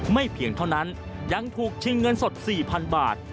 เพียงเท่านั้นยังถูกชิงเงินสด๔๐๐๐บาท